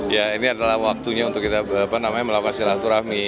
ya ini adalah waktunya untuk kita melakukan silaturahmi